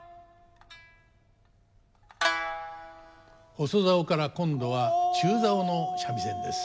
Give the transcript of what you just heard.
細棹から今度は中棹の三味線です。